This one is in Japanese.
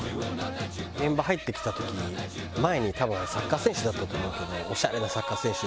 現場入ってきた時前に多分サッカー選手だったと思うけどオシャレなサッカー選手。